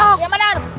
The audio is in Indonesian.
cok yang bener